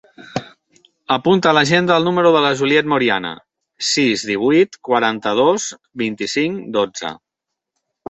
Apunta a l'agenda el número de la Juliette Moriana: sis, divuit, quaranta-dos, vint-i-cinc, dotze.